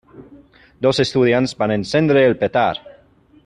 Dos estudiants van encendre el petard.